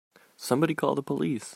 Somebody call the police!